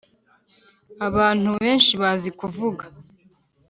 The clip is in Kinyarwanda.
abantu benshi bazi kuvuga